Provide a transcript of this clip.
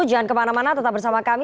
jangan kemana mana tetap bersama kami